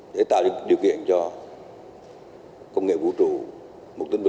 để tạo được điều kiện cho công nghệ vũ trụ